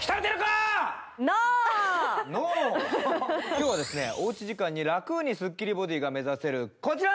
今日はおうち時間に楽にすっきりボディーを目指せるこちら！